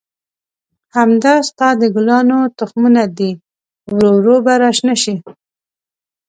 همدا ستا د ګلانو تخمونه دي، ورو ورو به را شنه شي.